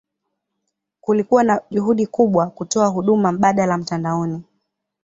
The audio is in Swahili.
Kulikuwa na juhudi kubwa kutoa huduma mbadala mtandaoni.